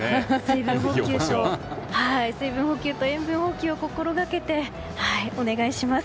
水分補給と塩分補給を心掛けてお願いします。